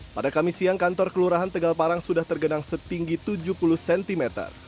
pada kamis siang kantor kelurahan tegal parang sudah tergenang setinggi tujuh puluh cm